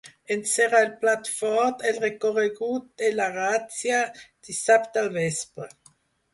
En serà el plat fort el recorregut de La ràtzia, dissabte al vespre.